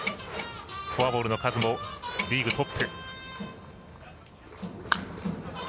フォアボールの数もリーグトップ。